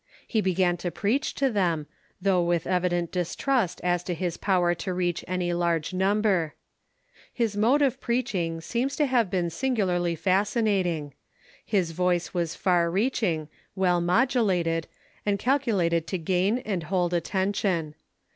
He began to preach to them, though with evi dent distrust as to his power to reach any large number. His mode of preaching seems to have been singularly fascinating. His voice was far reaching, well modulated, and calculated to gain and hold attention.